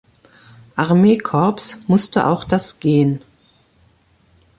Armeekorps musste auch das Gen.